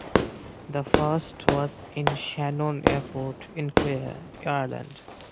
The first was in Shannon Airport in Clare, Ireland.